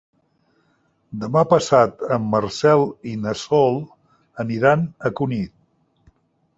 Demà passat en Marcel i na Sol aniran a Cunit.